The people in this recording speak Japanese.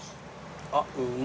あっうま。